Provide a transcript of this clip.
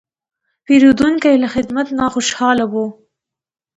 پیرودونکی له خدمت نه خوشاله و.